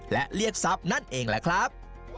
และเรียกทรัพย์นั่นเองแหละครับ